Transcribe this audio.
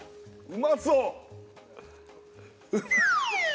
うまそう！